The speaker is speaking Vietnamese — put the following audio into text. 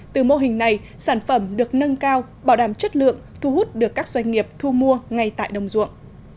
từ mô hình này sản phẩm được nâng cao bảo đảm chất lượng thu hút được các doanh nghiệp thu mua ngay tại đồng ruộng